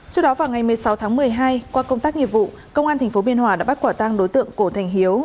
trước đó vào ngày một mươi sáu tháng một mươi hai qua công tác nghiệp vụ công an tp cnh đã bắt quả tăng đối tượng cổ thành hiếu